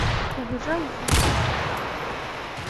Кугыжам вуй савалтен